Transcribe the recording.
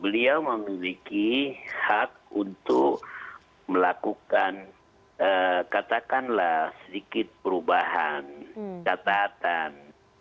beliau memiliki hak untuk melakukan katakanlah sedikit perubahan catatan